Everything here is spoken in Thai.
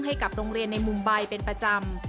ให้กับโรงเรียนในมุมใบเป็นประจำ